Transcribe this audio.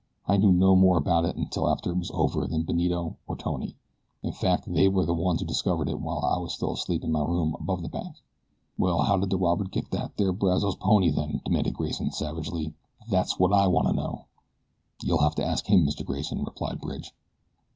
I knew no more about it until after it was over than Benito or Tony in fact they were the ones who discovered it while I was still asleep in my room above the bank." "Well, how did the robber git thet there Brazos pony then?" demanded Grayson savagely. "Thet's what I want to know." "You'll have to ask him, Mr. Grayson," replied Bridge.